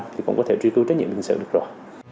thì cũng có thể truy cứu trách nhiệm hình sự được rồi